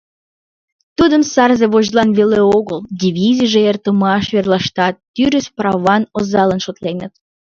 Тудым сарзе вождьлан веле огыл, дивизийже эртымаш верлаштат тӱрыс праван озалан шотленыт.